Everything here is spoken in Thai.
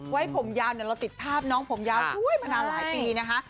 ไว้ผมยาวเราติดภาพน้องผมยาวสวยมานานหลายปีนะคะ